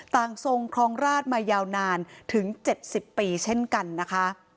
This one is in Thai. ทรงครองราชมายาวนานถึง๗๐ปีเช่นกันนะคะ